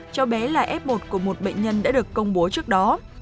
cháu bé là f một của một bệnh nhân đã được công bố trước đó